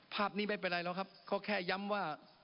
ภาพนี้ไม่เป็นไรหรอกครับเขาแค่ย้ำว่า